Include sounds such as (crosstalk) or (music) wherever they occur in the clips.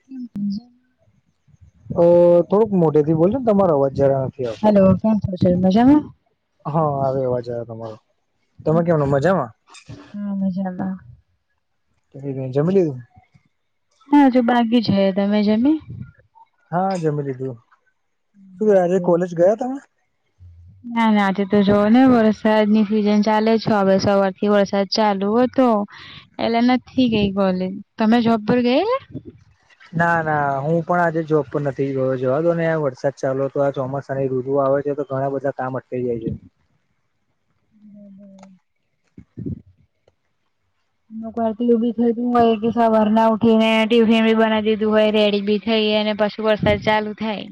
કેમ અ થોડુંક મોટે થી બોલજો ને તમારો અવાજ જરા નથી આવતો હલો ક હા આવે અવાજ આવ તમારો તમે કેમ મજામાં હમ બજનમાં કે જમી તું ના હજ બાકી છે તમે જમી હા જમી લીધું શુંે બરાબર. કોલેજ ગયા તમે ના નાજે તો જોવ ને વરસાદની સિઝન ચાલે છે હવે સવારથી વરસાદ ચાલુ હતો એલેના થી ગઈ બોલી તમે જોબપુર ગયા ના ના હું પણ આજે જોબ પર નથી ગયો જવાતો ને આ વરસાદ ચાલ્યો હતો આ ચોમાસાની રુતુ આવે છે તો ઘણા બધા કામ અટકાઈ જાય છે હમ હ (inaudible) નકું બી થઈું હોય એક વર ના ઉઠી ને ટિફિન બી બનાવી દીધું હોય રેડી બી થઈ અને પછુ વરસાદ ચાલુ થાય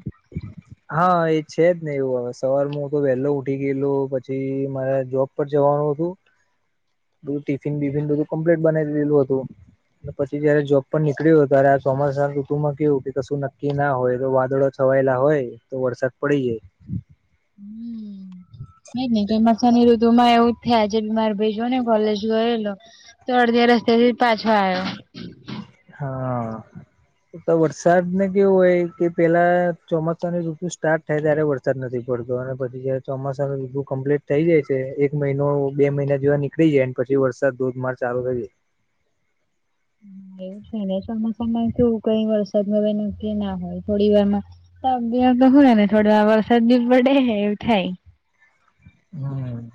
હા એ છે જ ને એવું હવે સવાર હું તો વહેલો ઉઠી ગયેલું પછી મારા જોબ ઉપ જવાનું હતું બધું ટિફિન બિફિન બધું કમ્પ્લેટ બનાવીેલું હતું પછી જયારે જોબ પર નીકળી હોય ત્યારે આ ચોમસ ના કુટુંબમાં કેવું કે કશું નક્કી ના હોય તો વાદળો છવાયેલા હોય તો વરસાદ પડી જાય હમ એ જ ને ચોમાસા ની ઋતુમાં એવું જ થયાજે બીમાર ને કોલેજ ગયેલો તો અડધી રસ્તેથી પાછો આવ્યો હા તો વરસાદને કેવું હોય કે પેલા ચોમાસાની ઋતુ સ્ટાર્ટ ત્યારે વરસાદ નથી પડતો અને પછી જયારે ચોમાસા નનુંીું કમ્પ્લીટ થઈ જાય છે એક મહિનો બે મહિના જોવા ની થઈ જાય પછી વરસાદ ધોધમાર ચાલુ થઈ જાય એવું છે ને ચોમાસામાં કેવું કઈ વરસાદમાં કે ના હોય થોડી વારમાં તો હય ને થોડ વા વરસાદ બી પડે એવું થાય. હમ.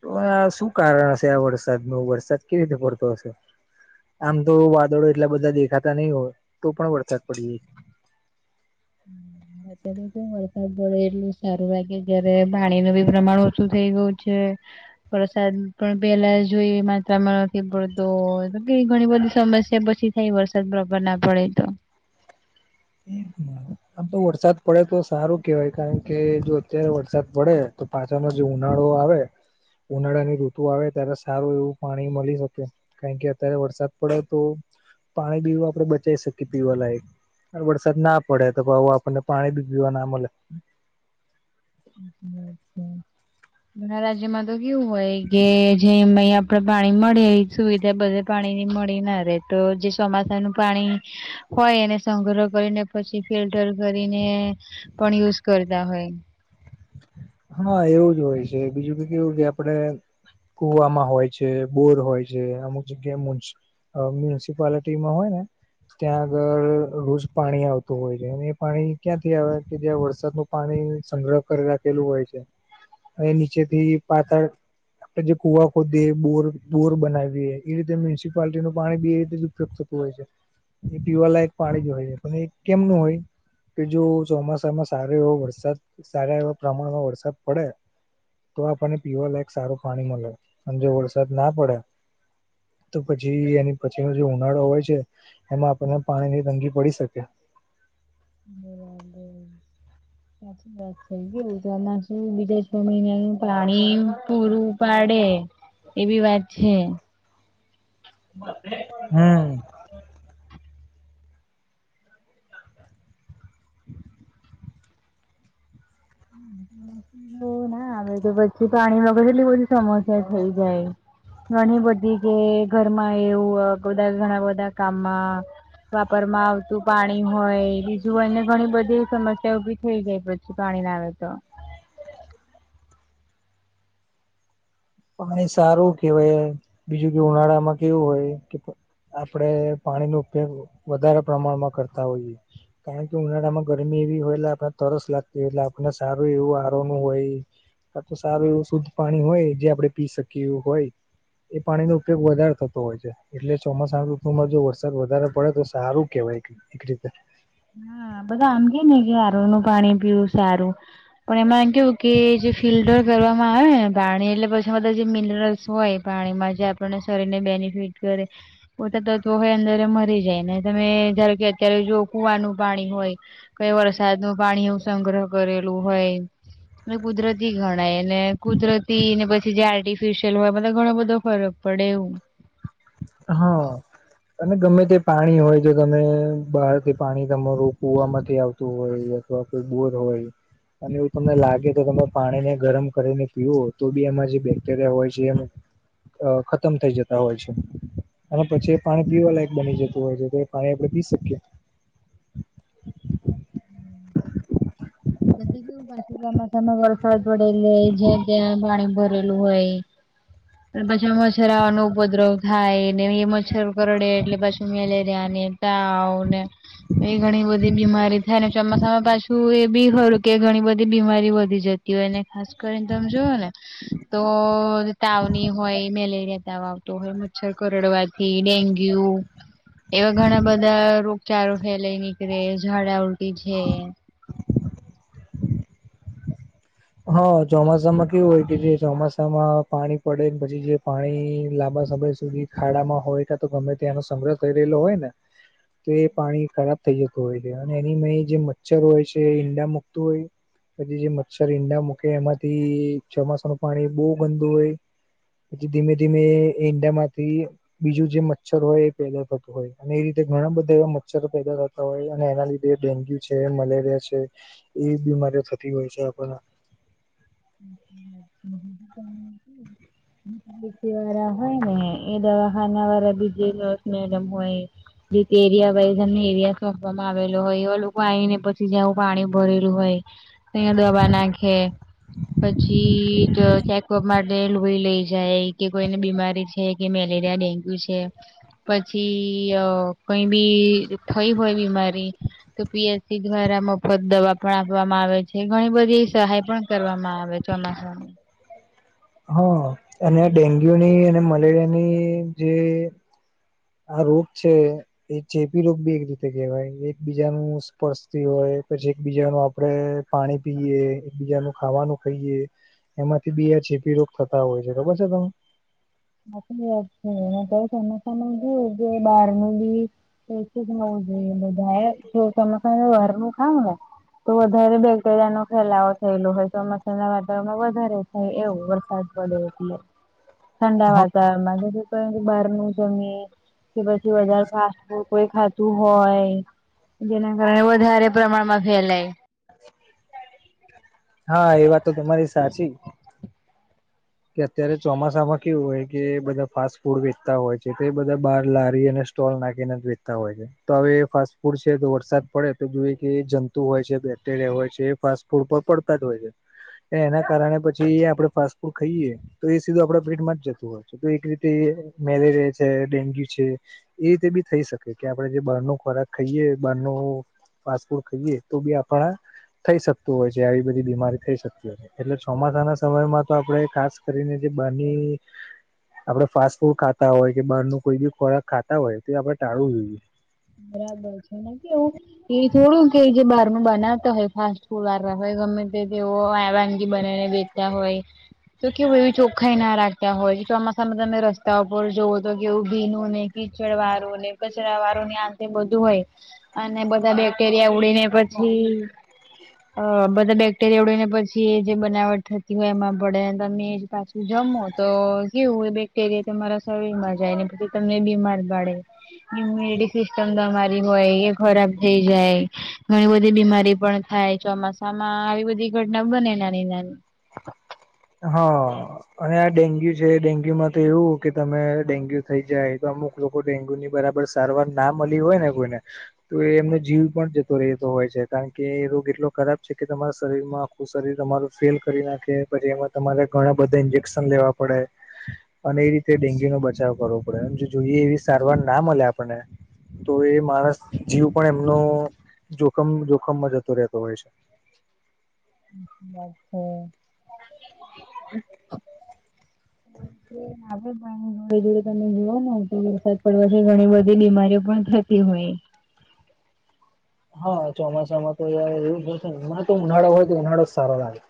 તો આ શું કારણ હશે આ વરસાદ નો વરસાદ કેવી રીતે પડતો હશે. આમ તો વાદળો એટલા બધા દેખાતા નહીિ હોય તો પણ વરસાદ પડી જાય. અત્યારે તો વરસાદ પડે એટલું સારું લાગે જયારે પાણી ન બી પ્રમાણ ઓછું થઈ ગયું છે. વરસાદ પણ પેલા જોઈએ માત્રામાં નથી પડતો. ઘણી બધી સમસ્યા પછી થાય વરસાદ બબર ના પડે તો. આમ તો વરસાદ પડે તો સારું કેવાય કારણ કે જો અત્યારે વરસાદ પડે તો પાછાનો જે ઉનાળો આવે ઉનાળાની ઋતુ આવે ત્યારે સારું એવું પાણી મળી શકે. કારણ કે અત્યારે વરસાદ પડે તો પાણી પીવું આપડે બચાવી શકીએ પીવાલાયક વરસાદ ના પડે તો આપણને પાણી બી પીવા ના મળે. છે (unintelligible) ઘણા રાજ્યમાં તો કેવું હોય કે જે અય આપડે પાણી મળે સુવિધા બધ પાણી ની મળી ના રે તો જે ચોમાસા નું પાણી હોય એને સંગ્રહ કરીને પછી ફિલ્ટર કરીને પણ યુઝ કરતા હોય. હા એવું જ હોય છે બીજું કે કે એવું કે આપડે. કુવામાં હોય છે બોર હોય છે અમુ જ ગેમ. મ્યુનિસિપાલિટીમાં હોય ને. ત્યાં આગળ રોજ પાણી આવતું હોય છે અને એ પાણી ક્યાંથી આવે કે જ્યાં વરસાદનું પાણી સંગ્રહ કરી રાખેલું હોય છે એ નીચેથી પાથળ આપડણે જે કુવા ખોદીએ બોર બોર બનાવીએ એ રીતે મ્યુનિસિપાલટી નું પાણી બી એ રીતે જ ઉપયોગ થ હોય છે એ પીવાલા એક પાણી જ હોય છે પણ એ કેમનું હોય. કે જો ચોમાસામાં સારો એવો વરસાદ સારા એવા પ્રમાણમાં વરસાદ પડે. તો આપણને પીવા લાયક સારું પાણી મળે જો વરસાદ ના પડે. તો પછી એની પછીનો જે ઉનાળો હોય છે એમાં આપણને પાણી ની તંગી પડી શકે. હમ. સાછી વા થઈ ગવું તો એમાં શું બીજા છ મહિનાનું પાણી પૂરું પાડે. એવી વાત છે. હમ. તો પછી પાણી વગર એટલી બધી સમસ્યા થઇ જાય. ઘણી બધી કે ઘરમાં એવું બધા ઘણા બધા કામમાં વાપર માં આવતું પાણી હોય. જોુઈને ઘણી બધી સમસ્યા ઉભી થઈ જાય પછી પાણી ના આવે તો પાણી સારું કેહેવાય બીજું કે ઉનાળામાં કેવું હોય કે આપડે પાણી ન ઉપયોગ વધારે પ્રમાણમાં કરતા હોઈએ- - કારણ કે ઉનાળા માં ગરમી એવી હોય એટલે આપણે તરસ લાગતી હોય એટલે આપણને સારું એવું આરોનું હોય- - આ તો સારું એવું શુદ્ધ પાણી હોય જે આપડણે પી શકીએ એવું હોય- - એ પાણીનોો ઉપયોગ વધારે થતો હોય છે એટલે ચોમાસા ઋતુમાં જો વરસાદ વધારે પડે તો સારું કેહેવાય કે- - (inaudible) હા બધા આમ કે નને કે હાર નનું પાણી પીવું સારું- - પણ એમાં એમ કેવું કે જે ફિલ્ટર કરવામાં આવે ને પાણી એટલે પછી બધા જે મિનરલ્સ હોય- - પાણીમાં જે આપણને શરીરને બેનિફિટ કરે- - પોતા તત્વો હો અંદર મરી જાય ને તમે ધારો કે અત્યારે જો કુવાનું- - પાણી હોય કઈ વરસાદ નું પાણી એવું સંગ્રહ કરેલું હોય- - એ કુદરતી ગણાય એને કુદરતીને પછી જે આર્ટિફિશિયલ હોય મ ઘણો બધો ફરબ- - પડે એવું. હા. અને ગમે તે પાણી હોય જો તમે બહારથી પાણી તમારું કુવામાંથી આવતું હોય. ટ્રાફિક બોર હોય. અને એવું તમને લાગે તો તમે પાણીને ગરમ કરીને પીઓ તો બી એમાં જે બેક્ટેરિયા હોય છે એ અ ખતમ થઇ જતા હોય છે. અને પછી એ પાણી પીવા લાયક બની જતું હોય છે તો એ પાણી આપડે પી શકીએ. (inaudible) ચોમાસામાં તમે વરસાદ પડેલી જ્યાં ત્યાં પાણી ભરેલું હોય. પછી મચ્છર આવાનો ઉપદ્રવ થાય ને એ મચ્છર કરડે એટલે પછી મેલેરિયા ને ને એ ઘણી બધી બીમારી થાયને ચોમાસામાં પાછું એ બી ખરું કે ઘણી બધી બીમારી વધી જતી હોય ને ખાસ કરીને તમે જુઓ ને તો તાવની હોય મેલેરિયા તાવ આવતો હોય મચ્છર કરડવા થ થી ડેન્ગ્યુ એવા ઘણા બધા રોગચળો ફેલાય નીકળે, ઝડા ઉલટી છે હા ચોમાસામાં કેવું હોય કે જે ચોમાસામાં પાણી પડે પછી જે પાણી લાંબા સમય સુધી ખાડામાં હોય તો ગમે ત્યાંનો સંગ્રહ થઈ રહેલો હોય ને તો એ પાણી ખરાબ થઈ જતું હોય છે અને એની મે જે મચ્છર હોય છે એ ઈંડા મુકતું હોય પછી જે મચ્છર ઈંડા મૂકે એમાંથી ચોમાસા નું પાણી બહુ ગંદુ હોય પછી ધીમે ધીમે ઇન્ડા માંથી બીજું જે મચ્છર હોય એ પેદા થતું હોય અને એ રીતે ઘણા બધા એવા મચ્છરો પેદા થ તા હોય અને એના લીધે ડેન્ગ્યુ છે, મલેરિયા છે એવી બીમારીઓ થતી હોય છે. (unintelligible) (inaudible) વાળા હોય ને એ દવાખાના વાળા બીજ એક મેડમ હોય જેતે એરિયા વાઈઝ એમને એરિયા સોંપવામાં આવેલો હોય એ લોકો આવીને પછી જવું પાણી ભરેલું હોય અયા દવા ના પછી ચેકઅપ માટે લોહી લઈ જાય કે કોઈને બીમારી છે. મેલેરિયા, ડેન્ગ્યુ છે પછી કઈ બી થઈ હોય બીમારી તો પી એસ સી દ્વારા મફત દવા પણ આપવામાં આવે છે ઘણી બધી સહાય પણ કરવામાં આવ વે ચોમાસામાં. હા અને આ ડેન્ગ્યુની અને મલેરિયાની જે આ રોગ છે એ ચેપી રોગ બી એક રીતે કહેવાય એક બીજાનું સ્પર્શતી હોય પછી એકબીજાનું આપડે પાણી પીએ એકબીજાનું ખાવાનું ખાઈએ એમાંથી બીઆ ચીપી રોગ થતા હોય છે ખબર છે તમને? હાચી વાત છે (inaudible) સમજી જે બહારનું બી પછી જ નવું જોઈએ બધાએ (inaudible) વાર નું ખાવ ને તો વધારે બે પેલાનો ફેલાવો થયેલો હોય ચોમસામાંના વાતાવરણમાં વધારે થાય એવું વરસાદ પડે એટલે. ઠંડા હા વાતાવરણમાં બારનુ જમીન કે પછી વધારે ફાસ્ટફૂડ કોઈ ખાતું હોય. જેના કારણે વધારે પ્રમાણમાં ફેલાય. હા એ વાતો તમારી સાચી. કે અત્યારે ચોમાસામાં કેવું હોય કે બધા ફાસ્ટ ફૂડ વેચતા હોય છે તો બધા બાર લારી અને સ્ટોલ નાખીને વેતા હોય છે તો હવે ફાસ્ટ ફૂડ છે તો વરસાદ પડે તો જોઈએ કે જંતુ હોય છે, બેક્ટેરિયા હોય છે એ ફાસ્ટ ફૂડ પડતા જ હોય છે. એના કારણે પછી આપડે ફાસ્ટ ફૂડ ખાઈએે. તો એ સીધું આપડા પેટમાં જ જતું હોય છે તો એક રીતે મેલેરિયા છે, ડેન્ગ્યુ છે. એ રીતે બી થઈ શકે કે આપડે જે બહાર નો ખોરાક ખાઈએ બહાર નો ફાસફુડ ખાઈએ તો બી આપણા થઈ શકતું હોય છે આવી બધી બીમારી થઈ શકતી હોય છે એટલે ચોમાસાના સમયમાં તો આપણેે ખાસ કરીને જે બારની આપડે ફાસ્ટ ફૂડ ખાતા હોય કે બહાર નુ કોઈ બી ખોરાક ખાતા હોય તો એ આપડણે ટાળવું જોઈએ. બરાબર છે ને કેવું એ થોડું કેય કે બાર નું બનાવતા હોય ફાસ્ટ ફૂડ વાળા હોય ગમે તે તેઓ આ વાનગી બનાઈ ને વે તા હોય. તો કેવું એવી ચોખ્ખાઈ ના રાખતા હોય કે ચોમાસામાં તમે રસ્તા ઉપર જોઓ તો કેવું ભીનું ને કીચડ વાળું ને કચરા વાળું ની આ બધું હોય અને બધા બેક્ટેરિયા ઉડે ને પ છી બધા બેક્ટેરિયા ઉડેને પછી જે બનાવટ થ એમાં પડે તમે એ પાછું જમો તો કેવું હોય બે ક્ટેરિયા તમારા શરીરમાં જાયને પછી તમને બીમાર પડે એવું એ ખરાબ થઈ જાય. ઘણી બધી બીમારી પણ થાય ચોમાસામાં આવી બધી ઘટના બને એ નાની-નાની હા. અને આ ડેન્ગ્યુ છે ડેન્ગ્યુ માં તો એવું કે તમે ડેન્ગ્યુ થઇ જાય તો અમુક લોકો ડેન્ગ્યુ ની બરાબર સારવાર ના મળી હોય ને કોઈને તો એમનો જીવ પણ જતો રહેતો હોય છે કારણ કે રોગ એટલો ખરાબ છે કે તમારા શરીરમાં શરીર તમારું ફેલ કરી નાખે પછી એમાં તમારે ઘણા બધા ઇન્જેક્શન લેવા પડે. અને એ રીતે ડેન્ગ્યુ નો બચાવ કરવો પડે એમ જોઈએ એવી સારવાર ના મળે આપને તો એ માણસ જીવ પણ એમનો જોખમ જોખમમાં જતો રહેતો હોય છે. (inaudible) (inaudible) (unintelligible) ઘર જોડે તમે જુઓ ને તો વરસાદ પડવાથી ઘણી બધી બીમારીઓ પણ થતી હોય. હા ચોમાસામાં તો યાર એવું એમાં તો ઉનાળો હોય તો ઉનાળો જ સારો લાગે.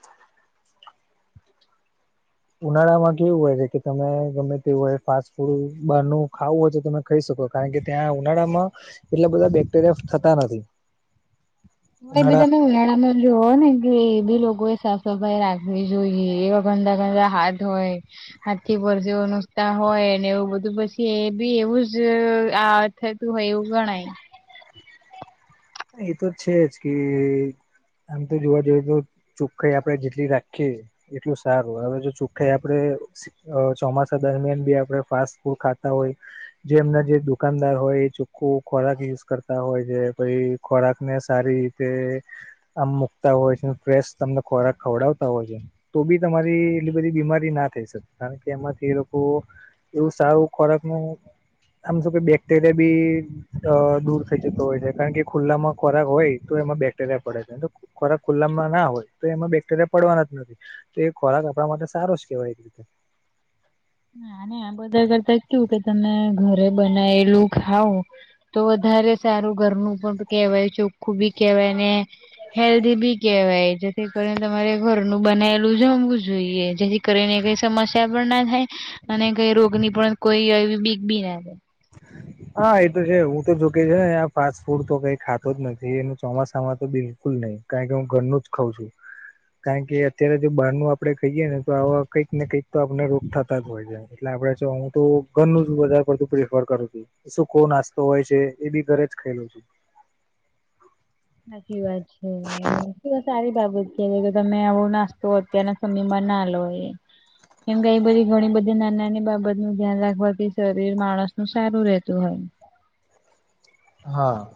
ઉનાળામાં કેવું હોય છે કે તમે ગમે તેવુંય ફાસ્ટ ફૂડ બહાર નુ ખાવું હોય તો તમે ખહી શકો કારણ કે ત્યાં ઉનાળામાં એટલા બધા બેક્ટેરિયા થતા નથી. હોય ઉનાળા બધામા ઉનાડામાં જોઓ ને કે એ બી લોકો એ સાફ સફાઈ રાખવી જોઈએ એવા ગંદા ગંદા હાથ હોય હાથ થી પરસેવો લુસ્તા હોય ને એવું બધું પછી એ બી એવું જ આ થતું હોય એવું ગણાય. એતો છે જ કે આમ તો જોવા જઈએ તો ચોખ્ખાઈ આપડે જેટલી રાખીએ એટલું સારું હવે જો ચોખ્ખાઈ આપડે અ ચોમાસા દરમિયાન બી આપડે ફાસ્ટ ફૂડ ખાતા હોય જે એમના જે દુકાનદાર હોય એ ચોખ્ખું ખોરાક યુઝ કરતા હોય જે પહી ખોરાક ને સારી રીતે આમ મુકતા હોય છે ફ્રેશ તમને ખોરાક ખવડાવતા હોય છે. તો બી તમારી એટલી બધી બીમારી ના થઈ શકે કારણ કે એમાંથી એ લોકો એવું સારું ખોરાક નું આમ શું કે બેક્ટેરિયા બી દૂર થઈ જતો હોય છે કારણ કે ખુલ્લામાં ખોરાક હોય તો એમાં બેક્ટેરિયા પડે છે તો ખોરાક ખુલ્લામાં ના હોય તો એમાં બેક્ટેરિયા પડવાના જ નથી તો એ ખોરાક આપડા માટે સારો જ કેવાય નાને આ બધા કરતા કેવું કે તમે ઘરે બનાયેલું ખાવ તો વધારે સારું ઘરનું પણ કેવાય ચો બી કેવાય હેલ્ધ બી કેવાય જેથી કરી તમા ઘરનું બનાયલું જમવું જોઈએ જેથી કરીને કઈ સમસ્યા પણ ના થાય અને કઈ રોગની પણ કોઈ એવી બીગ બી ના થાય હા એતો છે હું તો જોકે છે ને આ ફાસ્ટ ફૂડ તો કઈ ખાતો જ નથી એનું ચોમાસામાં તો બિલકુલ નહી કારણ કે હું ઘરનું જ ખાઉં છું કારણ કે અત્યારે જો બહાર ન આપડે ખાઈએ ને તો આવા કંઈક ને કંઈક તો આપને રોગ થતા જ હોય છે એટલે આપડે ચ હું તો ઘરનું જ વધારે પડતું (inaudible) ઘર કરું છું. સૂકો નાસ્તો હોય છે એ બી ઘરે જ ખાય લઉ છું. સાચી વાત છેએએ તો સારી બાબત છે જે તો તમે આવું નાસ્તો અત્યારના સમયમાં ના લો એ કેમ કે એ બધી ઘણી બધી નાની નાની બાબતનું ધ્યાન રાખવાથી શરીર માણસનું સારું રહેતું હોય હા.